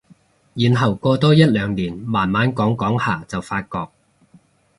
然後過多一兩年慢慢講講下就發覺